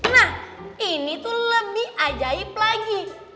nah ini tuh lebih ajaib lagi